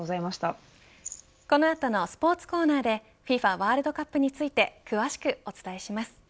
この後のスポーツコーナーでＦＩＦＡワールドカップについて詳しくお伝えします。